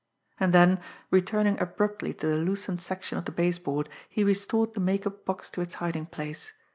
And then, returning abruptly to the loosened section of the base board, he restored the make up box to its hiding place.